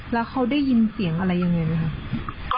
แล้วเขาได้ยินเสียงอะไรยังไงไหมครับ